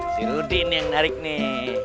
si rudi ini yang narik nih